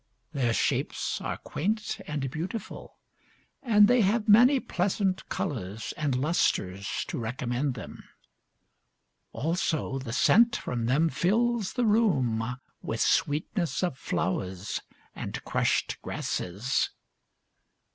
Their shapes are quaint and beautiful, And they have many pleasant colours and lustres To recommend them. Also the scent from them fills the room With sweetness of flowers and crushed grasses.